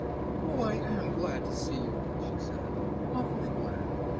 "Oh, I am glad to see you," she said, "awfully glad.